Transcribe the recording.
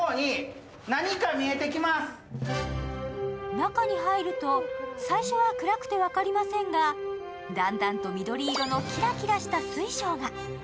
中に入ると最初は暗くて分かりませんが、だんだんと緑色のキラキラした水晶が。